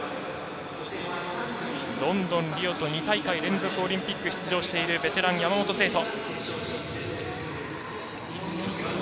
ロンドン、リオと２大会連続オリンピック出場しているベテラン、山本聖途。